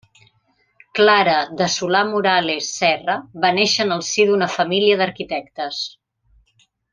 Clara de Solà-Morales Serra va néixer en el si d'una família d'arquitectes.